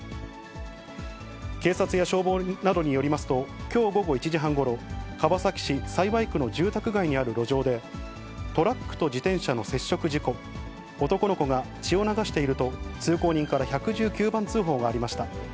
警察や消防などによりますと、きょう午後１時半ごろ、川崎市幸区の住宅街にある路上で、トラックと自転車の接触事故、男の子が血を流していると、通行人から１１９番通報がありました。